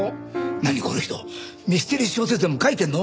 何この人ミステリー小説でも書いてんの？